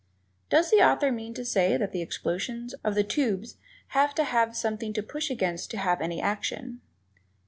Does the author mean to say that the explosions of the tubes have to have something to push against to have any action?